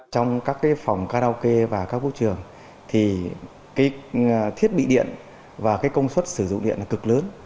trong các phòng karaoke và các vũ trường thì thiết bị điện và công suất sử dụng điện là cực lớn